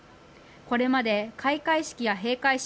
これまで開会式や閉会式